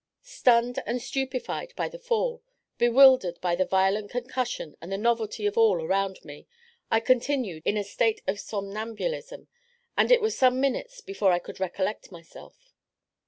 Stunned and stupefied by the fall, bewildered by the violent concussion and the novelty of all around me, I continued in a state of somnambulism, and it was some minutes before I could recollect myself.